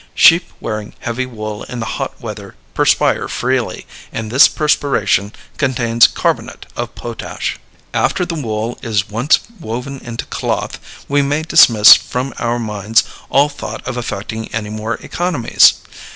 Sheep wearing heavy wool in the hot weather perspire freely, and this perspiration contains carbonate of potash. After the wool is once woven into cloth, we may dismiss from our minds all thought of effecting any more economies.